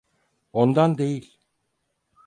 Ondan değil.